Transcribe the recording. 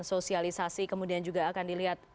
sosialisasi kemudian juga akan dilihat